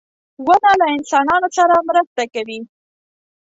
• ونه له انسانانو سره مرسته کوي.